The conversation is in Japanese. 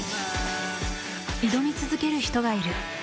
挑み続ける人がいる。